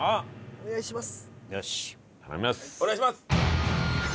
お願いします！